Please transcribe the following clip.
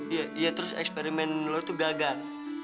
iya terus eksperimen lu tuh gagal